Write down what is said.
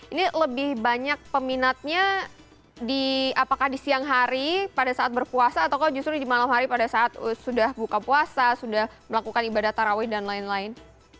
ini lebih banyak peminatnya apakah di siang hari pada saat berpuasa atau justru di malam hari pada saat sudah buka puasa sudah melakukan ibadah tarawih dan lain lain